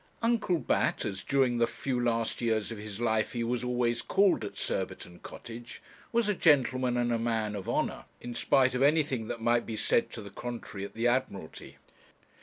Uncle Bat, as during the few last years of his life he was always called at Surbiton Cottage, was a gentleman and a man of honour, in spite of anything that might be said to the contrary at the Admiralty.